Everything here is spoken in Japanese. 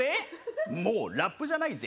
もうラップじゃないぜ。